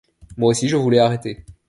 Moi aussi je voulais arrêter.